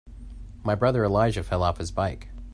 My brother Elijah fell off his bike.